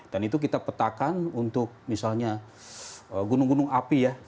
dan itu kita petakan untuk misalnya gunung gunung api ya